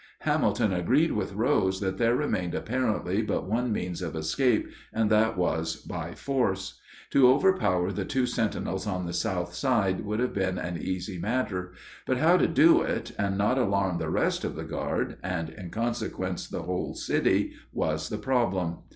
Hamilton agreed with Rose that there remained apparently but one means of escape, and that was by force. To overpower the two sentinels on the south side would have been an easy matter, but how to do it and not alarm the rest of the guard, and, in consequence, the whole city, was the problem.